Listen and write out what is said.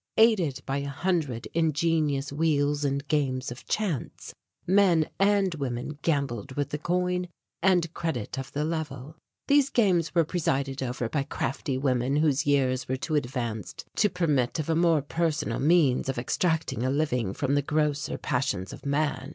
Aided by a hundred ingenious wheels and games of chance, men and women gambled with the coin and credit of the level. These games were presided over by crafty women whose years were too advanced to permit of a more personal means of extracting a living from the grosser passions of man.